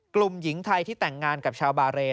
หญิงไทยที่แต่งงานกับชาวบาเรน